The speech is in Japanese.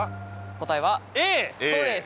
答えはそうです